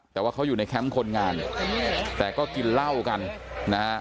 แต่ว่าเขาอยู่ในแคมป์คนงานแต่ก็กินเหล้ากันนะฮะ